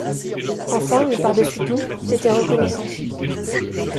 Enfin et par-dessus tout, c’était reconnaissance.